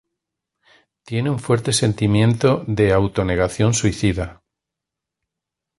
Tiene un fuerte sentimiento de auto-negación-suicida.